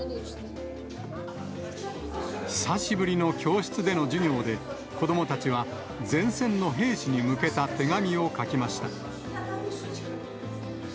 久しぶりの教室での授業で、子どもたちは前線の兵士に向けた手紙を書きました。